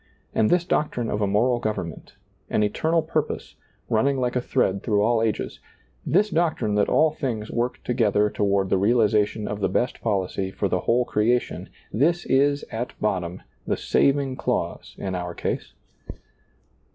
And this doctrine of a moral government, an eternal pur pose, running like a thread through all ages ; this doctrine that all things work together toward the realization of the best policy for the whole crea tion, this is, at bottom, the saving clause in our case.